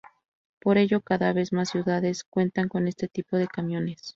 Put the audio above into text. Por ello, cada vez más ciudades cuentan con este tipo de camiones.